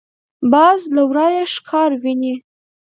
باز له ورايه ښکار ویني